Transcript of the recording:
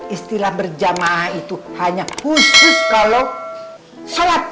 istilah berjamaah itu hanya khusus kalau salat